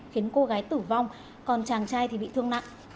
khiến cô gái tử vong còn chàng trai thì bị thương nặng